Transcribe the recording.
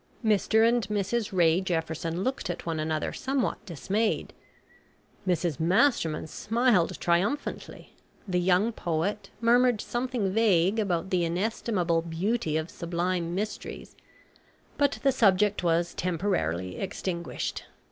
Mr and Mrs Ray Jefferson looked at one another, somewhat dismayed. Mrs Masterman smiled triumphantly, the young poet murmured something vague about the inestimable beauty of sublime "mysteries," but the subject was temporarily extinguished.